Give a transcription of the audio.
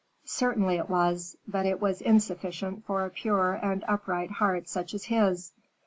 Certainly it was, but it was insufficient for a pure and upright heart such as his.